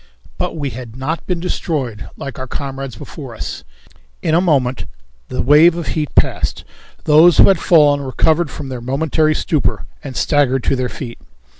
But we had not been destroyed like our comrades before us. In a moment the wave of heat passed; those who had fallen recovered from their momentary stupor and staggered to their feet.